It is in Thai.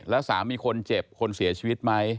แล้วสามีคนเจ็บคนเสียชีวิตไหม